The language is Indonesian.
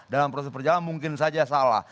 dalam proses perjalanan mungkin saja salah